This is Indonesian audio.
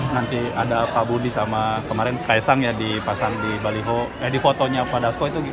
nanti ada kabu di sama kemarin kaisangnya dipasang di baliho edi fotonya pada sku itu